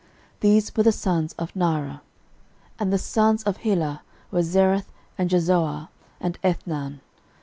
These were the sons of Naarah. 13:004:007 And the sons of Helah were, Zereth, and Jezoar, and Ethnan.